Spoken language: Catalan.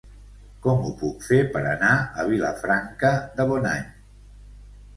Com ho puc fer per anar a Vilafranca de Bonany?